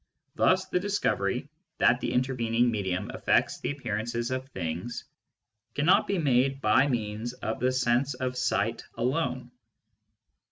Thus the discovery that the intervening medium afFects the appear ances of things cannot be made by means of the sense of sight alone.